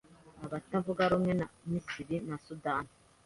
abatavuga rumwe na Misiri na Sudani.